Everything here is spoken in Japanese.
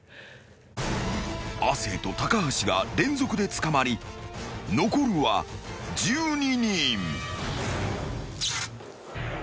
［亜生と橋が連続で捕まり残るは１２人］